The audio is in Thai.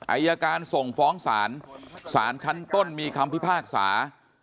อายการส่งฟ้องศาลศาลชั้นต้นมีคำพิพากษา